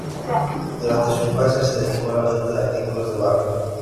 Durante su infancia se dedicó a la venta de artículos de barro.